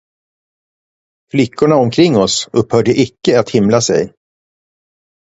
Flickorna omkring oss upphörde icke att himla sig.